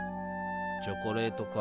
チョコレートか。